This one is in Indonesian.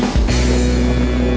udah bocan mbak